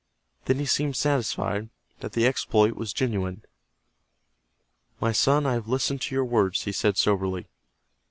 Then he seemed satisfied that the exploit was genuine. "My son, I have listened to your words," he said, soberly.